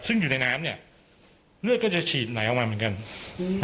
ซึ่งอยู่ในน้ำเนี่ยเลือดก็จะฉีดไหลออกมาเหมือนกัน